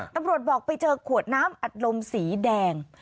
ตำรวจบอกไปเจอขวดน้ำอัดลมสีแดง